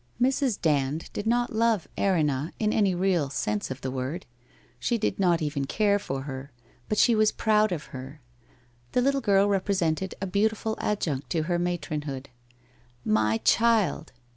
Mrs. Dand did not love Erinna in any real sense of the word. She did not even care for her, but she was proud of her. The little girl represented a beautiful adjunct to her matronhood. ' My child